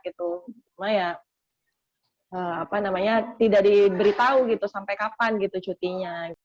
cuma ya tidak diberitahu sampai kapan cutinya